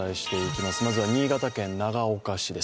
まずは新潟県長岡市です。